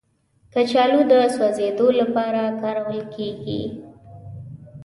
کچالو د سوځیدو لپاره کارول کېږي